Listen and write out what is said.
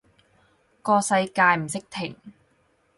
個世界唔識停